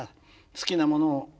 「好きなものを」。